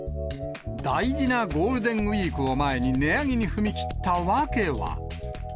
大事なゴールデンウィークを前に値上げに踏み切った訳は。